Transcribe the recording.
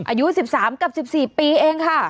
อายุ๑๓กับ๑๔ปีเองค่ะ